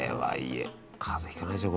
風邪ひかないでしょ